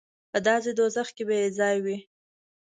په داسې دوزخ کې به یې ځای وي.